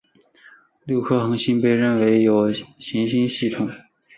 六颗恒星被认为有行星系统。